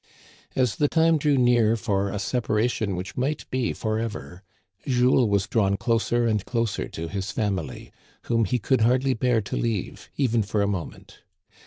As the time drew near for a separation which might be forever, Jules was drawn closer and closer to his family, whom he could hardly bear to leave even for a moment.